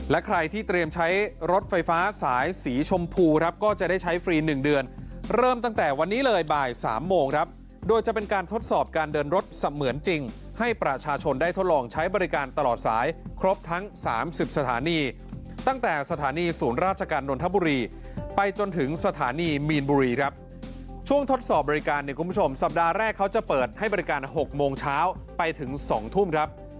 และใครที่เตรียมใช้รถไฟฟ้าสายสีชมพูครับก็จะได้ใช้ฟรี๑เดือนเริ่มตั้งแต่วันนี้เลยบ่าย๓โมงครับโดยจะเป็นการทดสอบการเดินรถเสมือนจริงให้ประชาชนได้ทดลองใช้บริการตลอดสายครบทั้ง๓๐สถานีตั้งแต่สถานีศูนย์ราชการนนทบุรีไปจนถึงสถานีมีนบุรีครับช่วงทดสอบบริการเนี่ยคุณผู้ชมสัปดาห์แรกเขาจะเปิดให้บริการ๖โมงเช้าไปถึง๒ทุ่มครับ